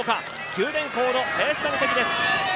九電工の林田美咲です。